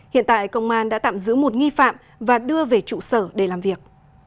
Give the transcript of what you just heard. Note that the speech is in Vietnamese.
hiện tại công an đã tạm giữ một nghi phạm và đưa về trụ sở để làm việc